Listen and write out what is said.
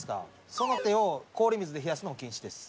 その手を氷水で冷やすのも禁止です。